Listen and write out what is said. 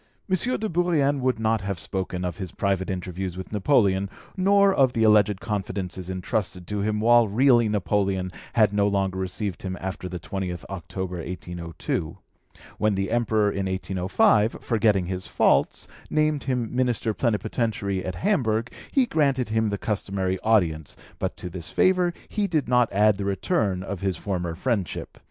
M. de Bourrienne would not have spoken of his private interviews with Napoleon, nor of the alleged confidences entrusted to him, while really Napoleon had no longer received him after the 20th October 1802. When the Emperor, in 1805, forgetting his faults, named him Minister Plenipotentiary at Hamburg, he granted him the customary audience, but to this favour he did not add the return of his former friendship.